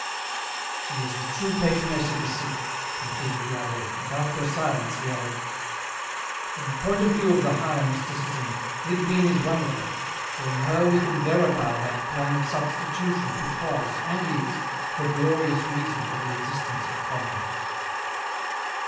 " She is the true patroness of the sick," concluded the abbe, and, after a silence, he added, —" From the point of view of the higher mysticism, Lidwine is wonderful, for in her we can verify that plan of substitu tion which was, and is, the glorious reason for the existence of convents."